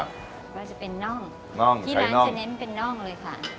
ว่าจะเป็นน่องที่ร้านจะเน้นเป็นน่องเลยค่ะ